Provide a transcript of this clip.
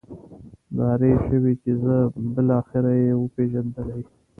نارې شوې چې ځه بالاخره یې وپېژندلې.